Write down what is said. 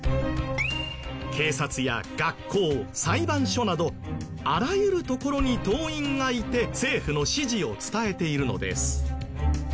警察や学校裁判所などあらゆる所に党員がいて政府の指示を伝えているのです。